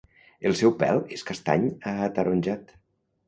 El seu pèl és castany a ataronjat.